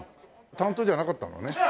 担当じゃなかったんだね。